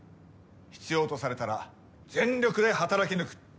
必要とされたら全力で働き抜く。